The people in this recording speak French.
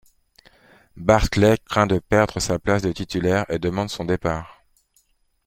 Bartley craint de perdre sa place de titulaire et demande son départ.